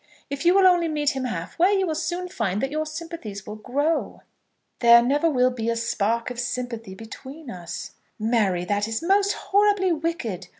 If you will only meet him half way you will soon find that your sympathies will grow." "There never will be a spark of sympathy between us." "Mary, that is most horribly wicked.